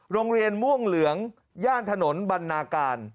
โรงเรียนม่วงเหลืองย่านถนนบรรณาการ